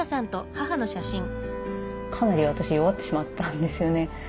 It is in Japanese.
かなり私弱ってしまったんですよね。